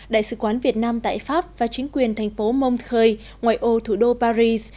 đại sứ quán việt nam tại pháp và chính quyền thành phố montree ngoài ô thủ đô paris